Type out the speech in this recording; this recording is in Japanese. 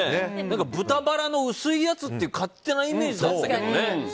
豚バラの薄いやつって勝手なイメージでしたけどね。